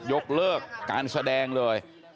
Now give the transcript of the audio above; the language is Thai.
ยกเลิกการแสดงเลย